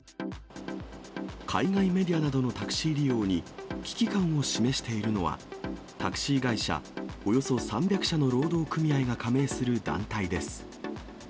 海外メディアなどのタクシー利用に危機感を示しているのは、タクシー会社およそ３００社の労働組合が加盟する団体です。